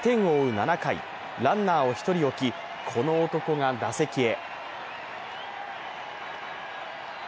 ７回ランナーを一人置き、この男が打席へ。